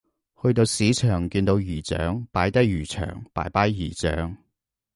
去到市場見到姨丈擺低魚腸拜拜姨丈